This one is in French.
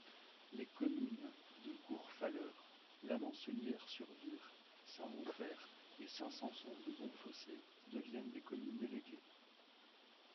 Les communes de Gourfaleur, La Mancellière-sur-Vire, Saint-Romphaire et Saint-Samson-de-Bonfossé deviennent des communes déléguées.